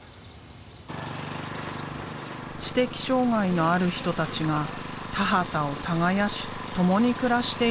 知的障害のある人たちが田畑を耕し共に暮らしている。